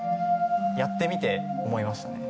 やってみて思いました。